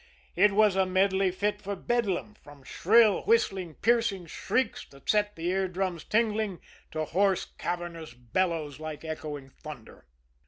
It was a medley fit for Bedlam, from shrill, whistling, piercing shrieks that set the ear drums tingling, to hoarse, cavernous bellows like echoing thunder.